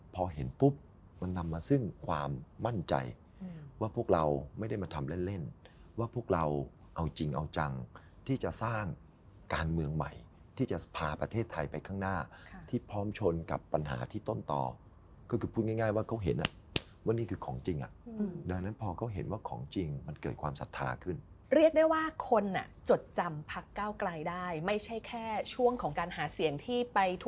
พอเห็นปุ๊บมันนำมาซึ่งความมั่นใจว่าพวกเราไม่ได้มาทำเล่นเล่นว่าพวกเราเอาจริงเอาจังที่จะสร้างการเมืองใหม่ที่จะพาประเทศไทยไปข้างหน้าที่พร้อมชนกับปัญหาที่ต้นต่อก็คือพูดง่ายว่าเขาเห็นอ่ะว่านี่คือของจริงอ่ะดังนั้นพอเขาเห็นว่าของจริงมันเกิดความศรัทธาขึ้นเรียกได้ว่าคนอ่ะจดจำพักเก้าไกลได้ไม่ใช่แค่ช่วงของการหาเสียงที่ไปท